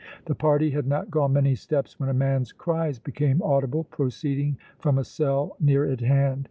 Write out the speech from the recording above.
The party had not gone many steps when a man's cries became audible, proceeding from a cell near at hand.